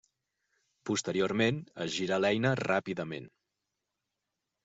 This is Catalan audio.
Posteriorment, es gira l'eina ràpidament.